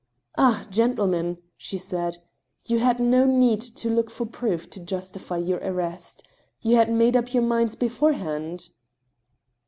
" Ah, gentlemen !*' she said, " you had no need to look for proof to justify your arrest ; you had made up your minds beforehand